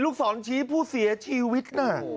ศรชี้ผู้เสียชีวิตน่ะ